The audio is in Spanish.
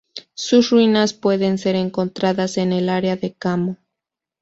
Sus ruinas pueden ser encontradas en el área de Kamo.